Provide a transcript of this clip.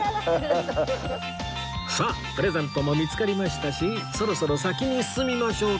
さあプレゼントも見つかりましたしそろそろ先に進みましょう